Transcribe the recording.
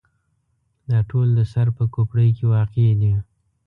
دا ټول د سر په کوپړۍ کې واقع دي.